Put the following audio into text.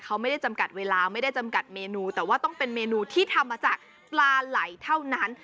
เขาไม่ได้จำกัดเวลาไม่ได้จำกัดเมนูแต่ว่าต้องเป็นเมนูที่ทำมาจากปลาไหล่เท่านั้น